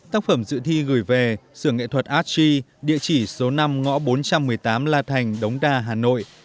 tác phẩm dự thi gửi về sưởng nghệ thuật artg địa chỉ số năm ngõ bốn trăm một mươi tám la thành đống đa hà nội